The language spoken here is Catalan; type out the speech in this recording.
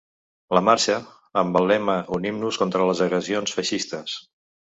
La marxa, amb el lema Unim-nos contra les agressions feixistes.